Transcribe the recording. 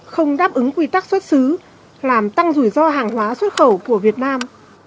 không đáp ứng quy tắc xuất xứ làm tăng rủi ro hàng hóa xuất khẩu của việt nam